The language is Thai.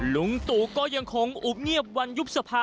ลุงตู่ก็ยังคงอุบเงียบวันยุบสภา